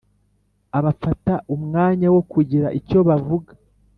Abafata umwanya wo kugira icyo bavuga,